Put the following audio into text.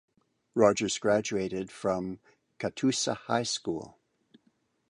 Rogers graduated from Catoosa High School.